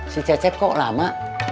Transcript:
si cecep kok lama